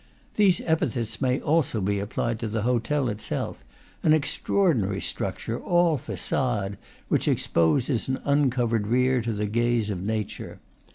These epithets may also be applied to the hotel itself, an extraordinary structure, all facade, which exposes an uncovered rear to the gaze of nature.